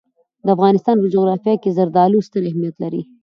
د افغانستان په جغرافیه کې زردالو ستر اهمیت لري.